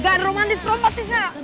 nggak ada romantis romantisnya